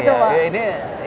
oh gitu pak